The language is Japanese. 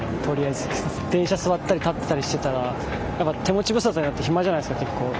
電車座ったり立ってたりしてたら手持ち無沙汰になってヒマじゃないですか結構。